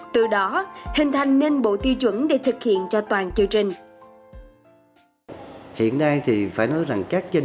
từ đó hình thành nên bộ tiêu chuẩn để thực hiện cho toàn chương trình